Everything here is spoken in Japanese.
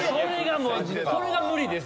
それが無理です